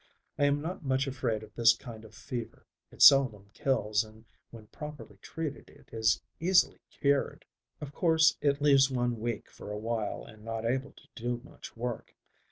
I am not much afraid of this kind of fever. It seldom kills and when properly treated it is easily cured. Of course it leaves one weak for a while, and not able to do much work.